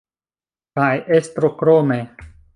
Kaj estro krome.